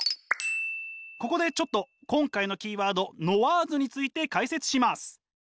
ここでちょっと今回のキーワード「ノワーズ」について解説します。